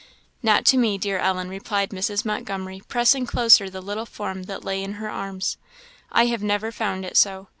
"Not to me, dear Ellen," replied Mrs. Montgomery, pressing closer the little form that lay in her arms; "I have never found it so.